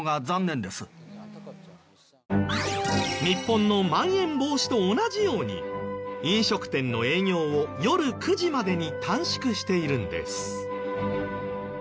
日本のまん延防止と同じように飲食店の営業を夜９時までに短縮しているんです。